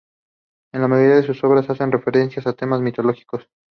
La mayoría de sus obras hacen referencia a temas mitológicos.